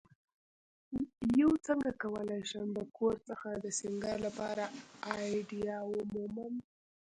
uڅنګه کولی شم د کور د سینګار لپاره آئیډیا ومومم